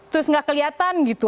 terus nggak kelihatan gitu